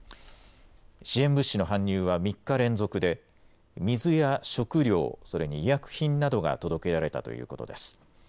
支援物資の搬入は３日連続で水や食料、それに医薬品などが届けられたということです。